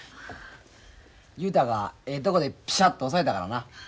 雄太がええとこでピシャッと抑えたからな。